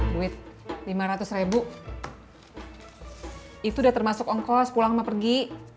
duit lima ratus ribu itu udah termasuk ongkos pulang sama pergi